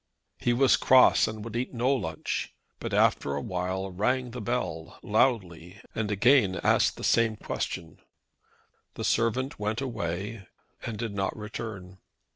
He was cross and would eat no lunch, but after awhile rang the bell, loudly, and again asked the same question. The servant again went away and did not return.